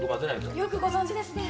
よくご存じですね。